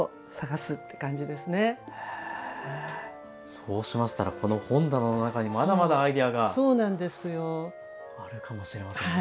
そうしましたらこの本棚の中にまだまだアイデアがあるかもしれませんね。